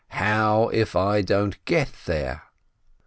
How if I don't get there